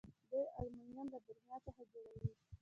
دوی المونیم له بریښنا څخه جوړوي.